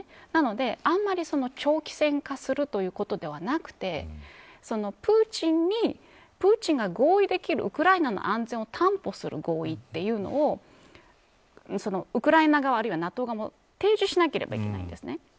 なので、あまり長期戦化するということではなくてプーチンが合意できるウクライナの安全を担保する合意というのをウクライナ側、あるいはＮＡＴＯ側も提示しなければいけないんです。